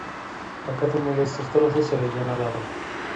A cada uno de estos trozos se le llama dado.